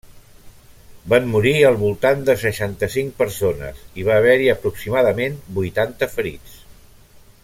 Van morir al voltant de seixanta-cinc persones i va haver-hi aproximadament vuitanta ferits.